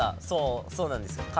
そうそうなんです。